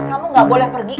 kamu nggak boleh pergi